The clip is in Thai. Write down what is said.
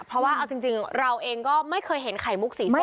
เพราะว่าเอาจริงเราเองก็ไม่เคยเห็นไข่มุกสีส้ม